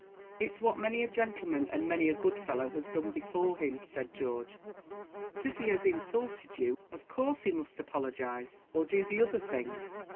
"It's what many a gentleman and many a good fellow has done before him," said George; "but if he has insulted you, of course he must apologize or do the other thing."